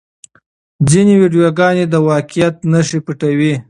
ځینې ویډیوګانې د واقعیت نښې پټوي.